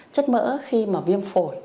chất mỡ khi mà viêm phổi